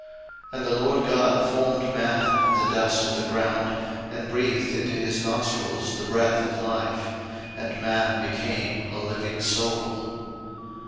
01:002:007 And the LORD God formed man of the dust of the ground, and breathed into his nostrils the breath of life; and man became a living soul.